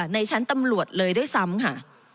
ในชั้นตำรวจเลยด้วยซ้ำค่ะ